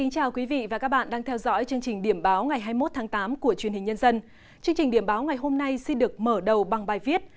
chương trình điểm báo ngày hôm nay xin được mở đầu bằng bài viết